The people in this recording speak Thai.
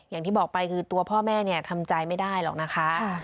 อย่างที่บอกไปคือตัวพ่อแม่เนี่ยทำใจไม่ได้หรอกนะคะ